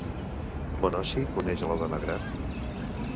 Bonosi coneix a la dona gran?